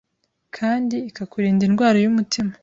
kandi ikakurinda indwara y’umutima